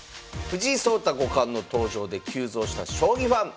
藤井聡太五冠の登場で急増した将棋ファン。